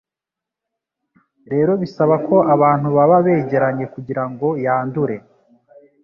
rero bisaba ko abantu baba begeranye kugira ngo yandure.